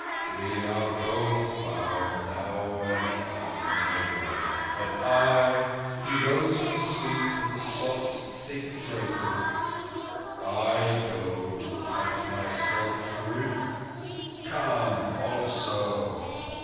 "We are both bound, thou and I, my brother. But I"—he rose with a sweep of the soft thick drapery—"I go to cut myself free. Come also!"